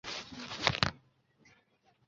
对她有什么偏见或不满